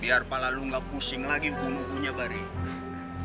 biar pala lo gak pusing lagi hubung hubungnya bar ya